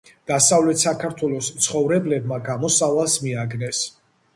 დასავლეთ საქართველოს მცხოვრებლებმა გამოსავალს მიაგნეს.